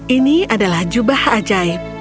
ini adalah jubah ajaib